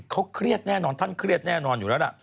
เขาเครียดแน่นอนท่านเครียดแน่นอนอยู่แล้วล่ะ